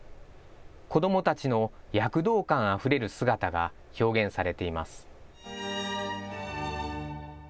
子どもたちの躍動感あふれる姿が表現されています。